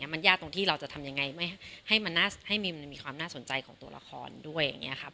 มันยากตรงที่เราจะทำยังไงให้มีความน่าสนใจของตัวละครด้วย